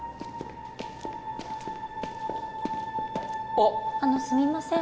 あっあのすみません